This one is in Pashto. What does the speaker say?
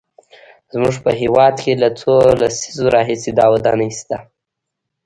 زموږ په هېواد کې له څو لسیزو راهیسې دا ودانۍ شته.